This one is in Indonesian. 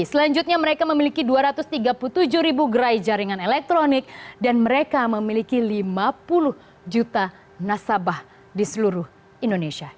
selanjutnya mereka memiliki dua ratus tiga puluh tujuh ribu gerai jaringan elektronik dan mereka memiliki lima puluh juta nasabah di seluruh indonesia